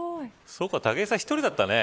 そうか、武井さん１人だったね。